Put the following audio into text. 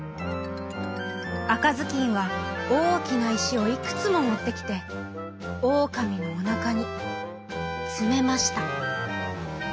あかずきんはおおきないしをいくつももってきてオオカミのおなかにつめました。